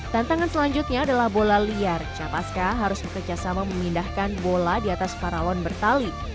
tantangan selanjutnya adalah bola liar capaska harus bekerjasama memindahkan bola di atas paralon bertali